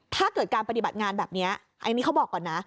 ถ้าเกิดการปฏิบัติงานแบบนี้อันนี้เขาบอกก่อนนะ